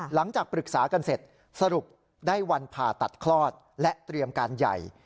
หลังจากปรึกษากันเสร็จสรุปได้วันผ่าตัดคลอดและเตรียมการใหญ่